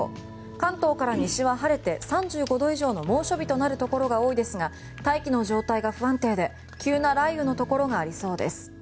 関東から西は晴れて３５度以上の猛暑日となるところが多いですが大気の状態が不安定で急な雷雨のところがありそうです。